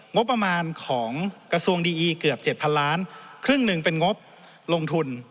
งบประมาณของกระทรวงดีอีเกือบ๗๐๐ล้านครึ่งหนึ่งเป็นงบลงทุน